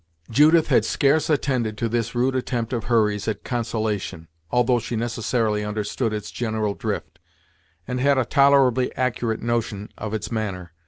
Judith had scarce attended to this rude attempt of Hurry's at consolation, although she necessarily understood its general drift, and had a tolerably accurate notion of its manner.